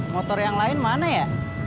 motor yang lain mana ya